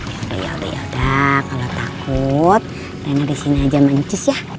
yaudah yaudah yaudah kalau takut rena di sini aja mancus ya